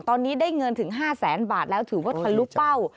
ตอนนี้ได้เงินถึง๕แสนบาทแล้วถือว่าทะลุเป้า